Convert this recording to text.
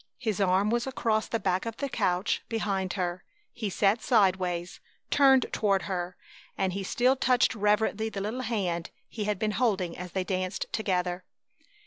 His arm was across the back of the couch behind her; he sat sideways, turned toward her, and he still touched reverently the little hand he had been holding as they danced together.